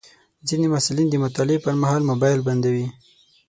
ځینې محصلین د مطالعې پر مهال موبایل بندوي.